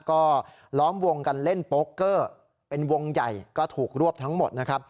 ก็ล้อมวงกันเล่นโป๊กเกอร์เป็นวงใหญ่ก็ถูกรวบทั้งหมดนะครับ